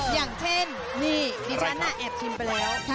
อย่างเช่นนี่ดิฉันแอบชิมไปแล้ว